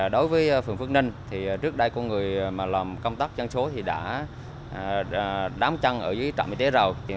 đối với phường phước ninh trước đây có người làm công tác dân số đã đám chăng ở trạm y tế rồi